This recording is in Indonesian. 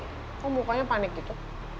kok mukanya panik gitu